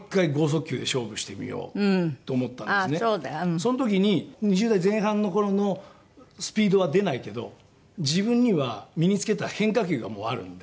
その時に２０代前半の頃のスピードは出ないけど自分には身につけた変化球がもうあるので。